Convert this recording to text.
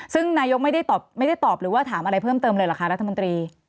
ซึ่งนายกไม่ได้ตอบไม่ได้ตอบหรือว่าถามอะไรเพิ่มเติมเลยเหรอคะรัฐมนตรี